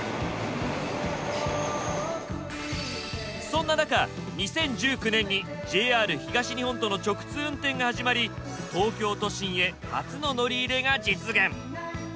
そんな中２０１９年にＪＲ東日本との直通運転が始まり東京都心へ初の乗り入れが実現！